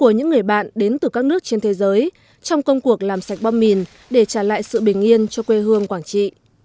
những người bạn đến từ các nước trên thế giới trong công cuộc làm sạch bom mìn để trả lại sự bình yên cho quê hương quảng trị